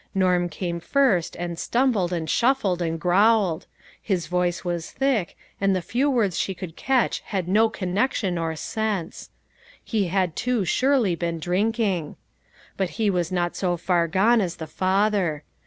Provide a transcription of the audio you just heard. Norm came first, and stumbled, and shuffled, and growled ; his voice was thick, and the few words she could catch had no connection or sense. He had too surely been drinking. But he was not so far gone as the father.